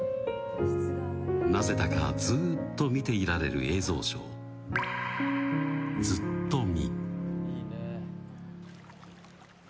なぜだかずーっと見ていられる映像ショー、ずっとみ。